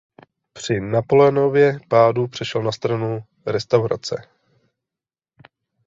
Při Napoleonově pádu přešel na stranu restaurace.